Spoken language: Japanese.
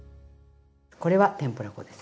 これは天ぷら粉です。